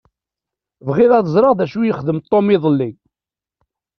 Bɣiɣ ad ẓṛeɣ d acu i yexdem Tom iḍelli.